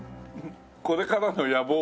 これからの野望は？